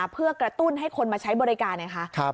เพื่อกระตุ้นให้คนมาใช้บริการไงคะ